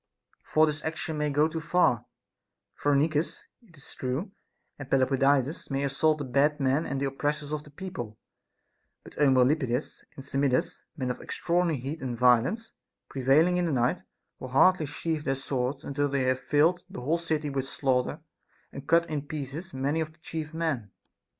For this action may go too far, Phcrenicus, it is true, and Pelopidas may assault the bad men and the op pressors of the people ; but Eumolpidas and Samidas, men of extraordinary heat and violence, prevailing in the night, will hardly sheathe their swords until they have filled the whole city with slaughter and cut in pieces many of the chief men.